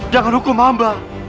jangan hukum hamba